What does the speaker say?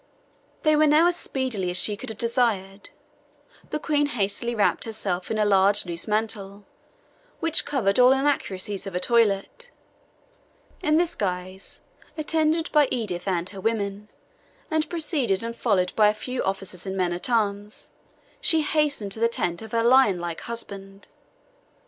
They were now as speedy as she could have desired. The Queen hastily wrapped herself in a large loose mantle, which covered all inaccuracies of the toilet. In this guise, attended by Edith and her women, and preceded and followed by a few officers and men at arms, she hastened to the tent of her lionlike husband.